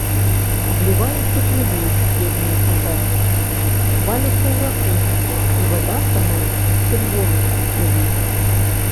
Абліваюцца крывёй бедныя салдацікі, валяцца ў раку, і вада становіцца чырвонай ад крыві.